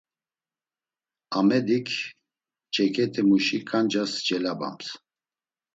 Amedik çeǩet̆imuşi ǩanças celabams.